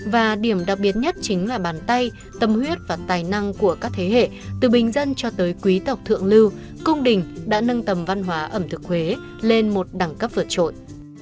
và điểm đặc biệt nhất chính là bàn tay tâm huyết và tài năng của các thế hệ từ bình dân cho tới quý tộc thượng lưu cung đình đã nâng tầm văn hóa ẩm thực huế lên một đẳng cấp vượt trội